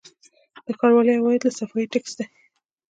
د ښاروالۍ عواید له صفايي ټکس دي